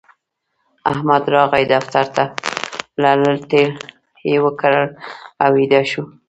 احمد راغی دفتر ته؛ لړل تپل يې وکړل او ويده شو.